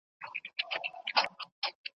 انټرنېټ اړین وي.